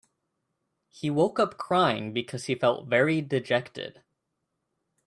He woke up crying because he felt very dejected.